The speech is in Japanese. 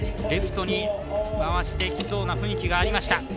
レフトに回してきそうな雰囲気がありました。